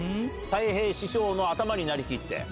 たい平師匠の頭になりきって。